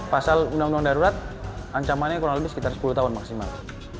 pasal undang undang darurat ancamannya kurang lebih sekitar sepuluh tahun maksimal